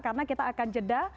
karena kita akan jeda